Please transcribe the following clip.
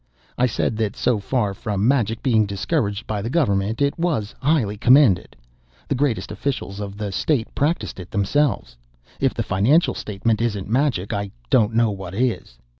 I said that so far from magic being discouraged by the Government it was highly commended. The greatest officials of the State practiced it themselves. (If the Financial Statement isn't magic, I don't know what is.)